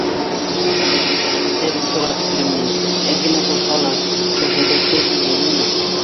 Ә бит шуға тиклем мин, әҙ генә булһа ла, шул һәләткә эйә инем.